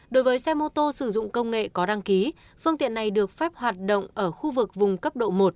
đối với xe mô tô sử dụng công nghệ có đăng ký phương tiện này được phép hoạt động ở khu vực vùng cấp độ một